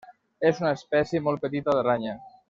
És una espècie molt petita d'aranya.